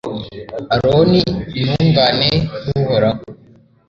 aroni, intungane y'uhoraho